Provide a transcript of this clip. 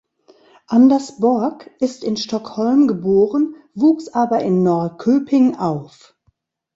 Anders Borg ist in Stockholm geboren, wuchs aber in Norrköping auf.